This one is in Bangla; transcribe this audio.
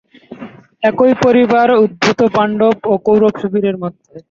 একই পরিবার উদ্ভূত পাণ্ডব ও কৌরব শিবিরের মধ্যে।